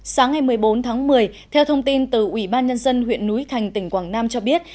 sáng ngày một mươi bốn tháng một mươi theo thông tin từ ủy ban nhân dân huyện núi thành tỉnh quảng nam cho biết